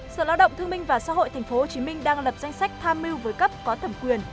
sở lao động thương minh và xã hội tp hcm đang lập danh sách tham mưu với cấp có thẩm quyền